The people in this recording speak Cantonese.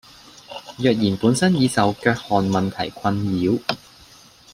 若然本身已受腳汗問題困擾